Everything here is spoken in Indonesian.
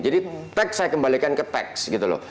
jadi teks saya kembalikan ke teks gitu loh